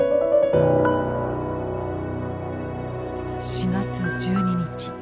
４月１２日。